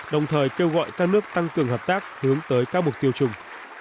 đồng thời kêu gọi các nước tăng cường hợp tác hướng tới các mục tiêu chung